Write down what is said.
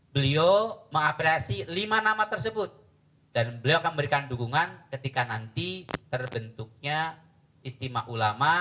beliau mengapresiasi lima nama tersebut dan beliau akan memberikan dukungan ketika nanti terbentuknya istimewa ulama